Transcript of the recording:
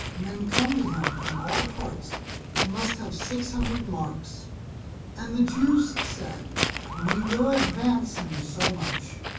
Men come to him from all parts. He must have six hundred marks." And the Jews said, "We will advance him so much."